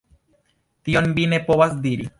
Tion vi ne povas diri!